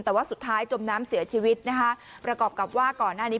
แต่ว่าสุดท้ายจมน้ำเสียชีวิตนะคะประกอบกับว่าก่อนหน้านี้